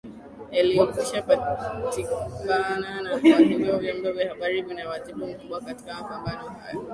yaliyokwisha patikana na kwa hivyo vyombo vya habari vina wajibu mkubwa katika mapambano hayo